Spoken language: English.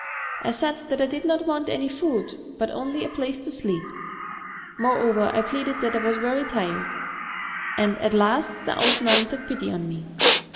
... I said that I did not want any food, but only a place to slpep : moreover I pleaded that I was very tired, and at last the old nun took pity on me.